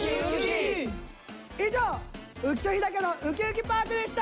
以上「浮所飛貴のウキウキパーク」でした！